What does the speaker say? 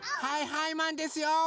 はいはいマンですよ！